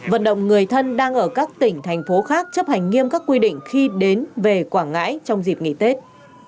vận động người thân đang ở các tỉnh thành phố khác chấp hành nghiêm các quy định khi đến về quảng ngãi trong dịp nghỉ tết